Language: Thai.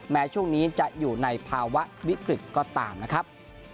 แม้ช่วงนี้จะอยู่ในภาวะวิกฤตก็ตามนะครับ